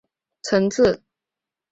吃的更有内涵与层次喔！